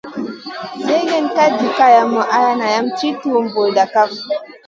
Sègèn ka hiy kalamou ala nam tì tuhu bur kaf.